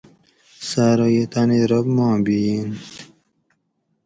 سہ ارو یہ تانی رب ما بِیینت